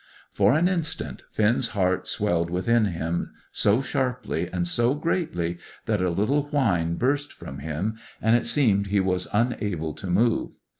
For an instant, Finn's heart swelled within him, so sharply, and so greatly, that a little whine burst from him, and it seemed he was unable to move.